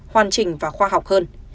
hoàn chỉnh và khoa học hơn